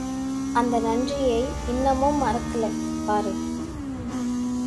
அந்த நன்றியை இன்னமும் மறக்கலே, பாரு...!